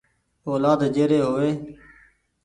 اولآد جي ري هووي ۔